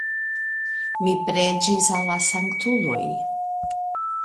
Mi preĝis al la sanktuloj.